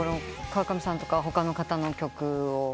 川上さんとか他の方の曲を。